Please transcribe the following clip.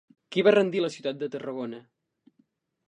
Qui va rendir la ciutat de Tarragona?